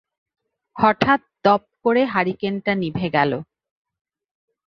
হঠাৎ দপ করে হারিকোনটা নিভে গেল।